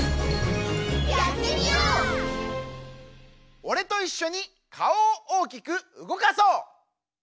おれといっしょにかおをおおきくうごかそう！